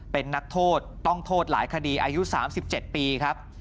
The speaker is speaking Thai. เป็นนักโทษต้องโทษหลายคดีอายุ๓๗ปีครับ